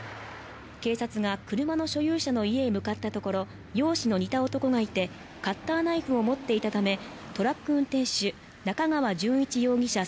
警察が車の所有者の家へ向かったところ容姿の似た男がいてカッターナイフを持っていたためトラック運転手中川淳一容疑者